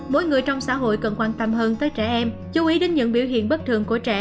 mỗi người trong xã hội cần quan tâm hơn tới trẻ em chú ý đến những biểu hiện bất thường của trẻ